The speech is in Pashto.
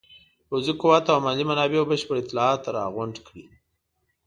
د پوځي قوت او مالي منابعو بشپړ اطلاعات راغونډ کړي.